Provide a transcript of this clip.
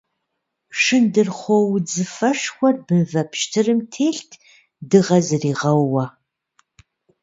Шындырхъуо удзыфэшхуэр мывэ пщтырым телът дыгъэ зыригъэууэ.